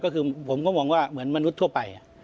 ก็คือผมก็มองว่าเหมือนมนุษย์ทั่วไป